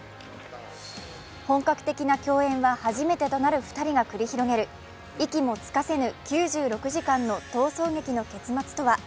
本格的な共演は初めてとなる２人が繰り広げる息もつかせぬ９６時間の逃走劇の結末とは？